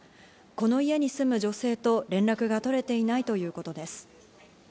この家に住む女性と連絡が取れていないということです。